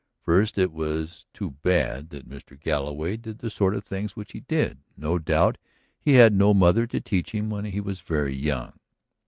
First, it was too bad that Mr. Galloway did the sort of things which he did; no doubt he had had no mother to teach him when he was very young.